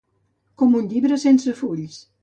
Com un llibre sense fulls.